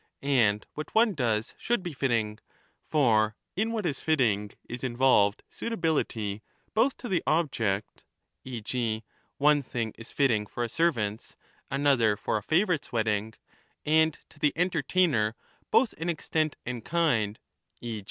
And what one does should be fitting, f For in what is fitting is involved suitability both to the object f (e. g. one thing is fitting for a servant's, another for a favourite's wedding) and to the entertainer both in extent 10 and kind, e.